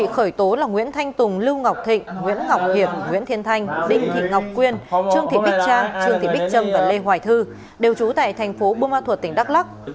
khởi tố là nguyễn thanh tùng lưu ngọc thịnh nguyễn ngọc hiệp nguyễn thiên thanh đinh thị ngọc quyên trương thị bích trang trương thị bích trâm và lê hoài thư đều trú tại thành phố bùa ma thuật tỉnh đắk lắc